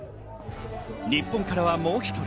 日本からはもう一人。